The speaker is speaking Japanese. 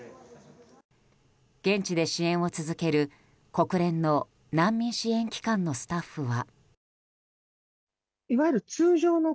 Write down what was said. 現地で支援を続ける国連の難民支援機関のスタッフは。